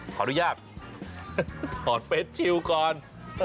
ขออนุญาตถอดเฟสชิลก่อน